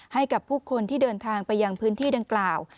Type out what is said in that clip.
ให้กับผู้คนที่เดินทางไปยังพื้นที่ดังกล่าว